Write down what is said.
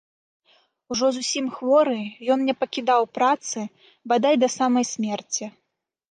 Ужо зусім хворы, ён не пакідаў працы бадай да самай смерці.